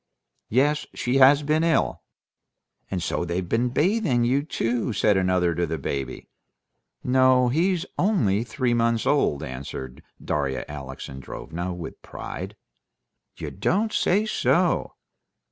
"Yes, she has been ill." "And so they've been bathing you too," said another to the baby. "No; he's only three months old," answered Darya Alexandrovna with pride. "You don't say so!"